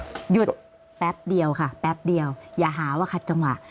หยุดแป๊บเดียวค่ะแป๊บเดียวอย่าหาว่าขัดจังหวะ